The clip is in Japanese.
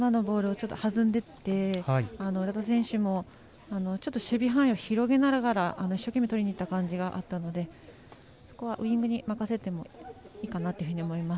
ちょっとはずんでて浦田選手も守備範囲を広げながら一生懸命取りにいった感じがあったのでここはウイングに任せてもいいかなと思います。